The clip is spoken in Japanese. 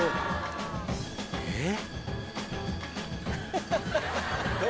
えっ？